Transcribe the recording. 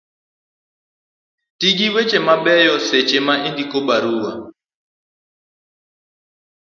ti gi weche mabeyo seche ma indiko barua